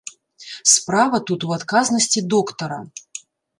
Справа тут у адказнасці доктара.